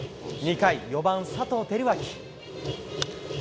２回、４番佐藤輝明。